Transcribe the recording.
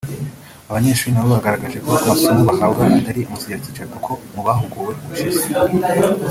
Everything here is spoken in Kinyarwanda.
Abanyeshuri na bo bagaragaje ko amasomo bahabwa atari amasigaracyicaro kuko mu bahuguwe ubushize